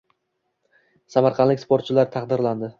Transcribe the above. Samarqandlik sportchilar taqdirlandi